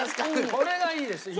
これがいいですよ。